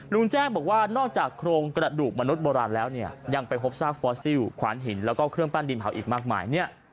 ลุงแจ้งบอกว่านอกจากโครงกระดูกมนุษย์โบราณแล้วเนี่ยยังไปพบซากฟอสซิลขวานหินแล้วก็เครื่องปั้นดินเผาอีกมากมายเนี่ย